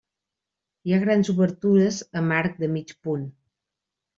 Hi ha grans obertures amb arc de mig punt.